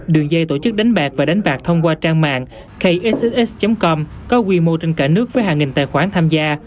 đường dây tổ chức đánh bạc và đánh bạc thông qua trang mạng kxx com có quy mô trên cả nước với hàng nghìn tài khoản tham gia